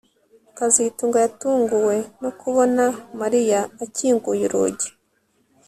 kazitunga yatunguwe no kubona Mariya akinguye urugi